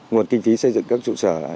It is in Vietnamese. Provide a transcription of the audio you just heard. nguồn kinh phí xây dựng các trụ sở